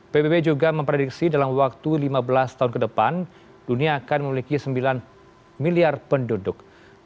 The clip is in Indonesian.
pbb juga memprediksi dalam waktu lima belas tahun ke depan dunia akan memiliki sembilan miliar penduduk